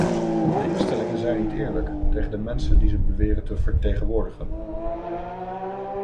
De instellingen zijn niet eerlijk tegen de mensen die ze beweren te vertegenwoordigen.